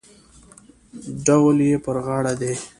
ډول یې پر غاړه دی.